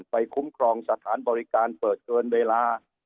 คุ้มครองสถานบริการเปิดเกินเวลา